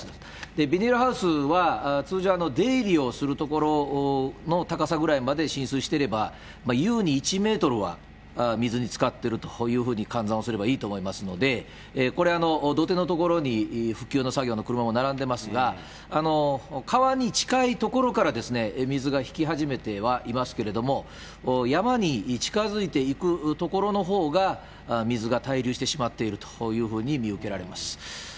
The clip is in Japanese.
ビニールハウスは、通常、出入りをする所の高さぐらいまで浸水してれば、ゆうに１メートルは水につかっているというふうに換算すればいいと思いますので、これ、土手の所に復旧の作業の車も並んでますが、川に近い所からですね、水が引き始めてはいますけれども、山に近づいていく所のほうが水が滞留してしまっているというふうに見受けられます。